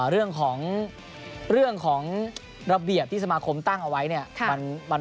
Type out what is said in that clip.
เรื่องของระเบียบที่สมาคมตั้งเอาไว้